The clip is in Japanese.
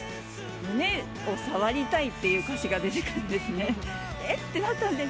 胸を触りたいという歌詞が出てくるんです。